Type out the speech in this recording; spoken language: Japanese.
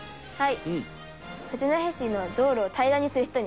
はい。